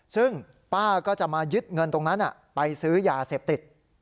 ซึ่งป้าก็จะมายึดเงินตรงนั้นไปซื้อยาเสพติด